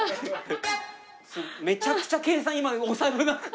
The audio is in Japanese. めちゃくちゃ計算今お財布の中。